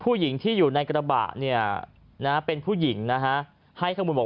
อุ้ยยาวเฟ้ยเลย